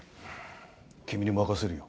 君に任せるよ。